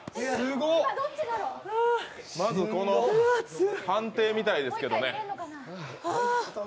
まずこの判定を見たいですけれどもね。